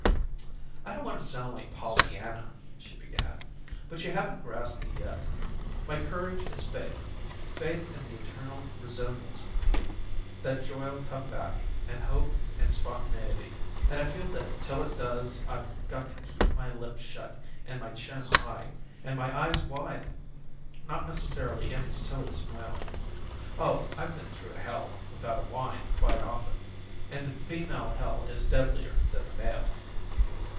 "I don't want to sound like Pollyanna," she began, "but you haven't grasped me yet. My courage is faith faith in the eternal resilience of me that joy'll come back, and hope and spontaneity. And I feel that till it does I've got to keep my lips shut and my chin high, and my eyes wide not necessarily any silly smiling. Oh, I've been through hell without a whine quite often and the female hell is deadlier than the male."